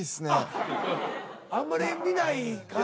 あんまり見ない感じや。